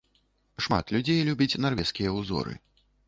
Шмат людзей любіць нарвежскія ўзоры.